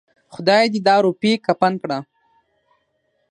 خداى دې دا روپۍ کفن کړه.